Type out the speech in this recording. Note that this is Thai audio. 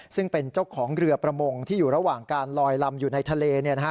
ซึ่งเป็นเจ้าของเรือประมงที่อยู่ระหว่างการลอยลำอยู่ในทะเล